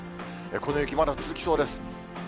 この雪、まだ続きそうです。